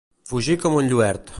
Fugir com un lluert.